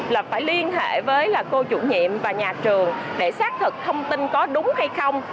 là phải liên hệ với cô chủ nhiệm và nhà trường để xác thực thông tin có đúng hay không